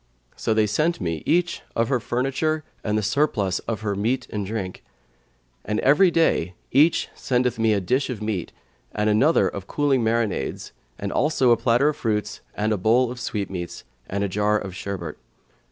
So they sent me each of her furniture and the surplus of her meat and drink: and every day each sendeth me a dish of meat and another of cooling marinades, also a platter of fruits and a bowl of sweetmeats and a jar of sherbet.